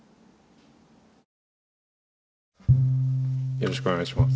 よろしくお願いします。